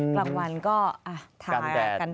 กลางวันก็ทาการแดด